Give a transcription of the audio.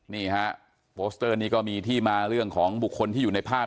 นี่ฮะโปสเตอร์นี้ก็มีที่มาเรื่องของบุคคลที่อยู่ในภาพ